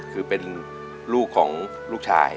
คือเป็นลูกของลูกชาย